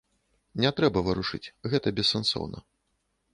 Не трэба варушыць, гэта бессэнсоўна.